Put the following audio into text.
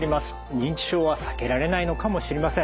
認知症は避けられないのかもしれません。